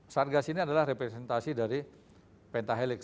sargas ini adalah representasi dari pentahelix